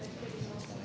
tadi yang dipakai apa ya